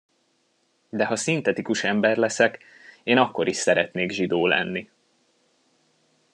De ha szintetikus ember leszek, én akkor is szeretnék zsidó lenni.